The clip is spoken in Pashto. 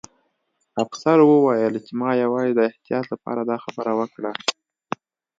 افسر وویل چې ما یوازې د احتیاط لپاره دا خبره وکړه